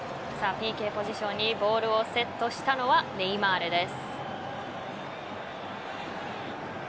ＰＫポジションにボールをセットしたのはネイマールです。